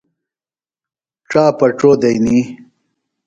ڇاپڇو دئنی۔